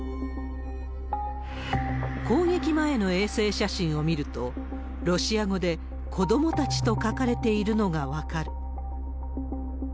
攻撃前の衛星写真を見ると、ロシア語で子どもたちと書かれているのが分かる。